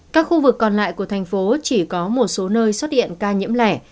các khu vực còn lại của thành phố chỉ có một số nơi xuất hiện ca nhiễm lẻ